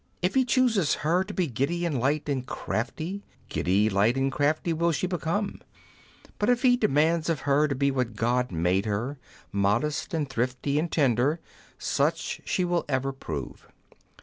If he chooses her to be giddy and light and crafty, giddy, light, and crafty will she become ; but if he demands of her to be what God made her, modest, and thrifty, and tender, such she will ever prove.